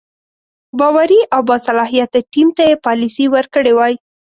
باوري او باصلاحیته ټیم ته یې پالیسي ورکړې وای.